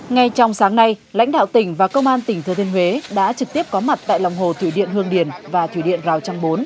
ngay trong sáng nay lãnh đạo tỉnh và công an tỉnh thừa thiên huế đã trực tiếp có mặt tại lòng hồ thủy điện hương điền và thủy điện rào trang bốn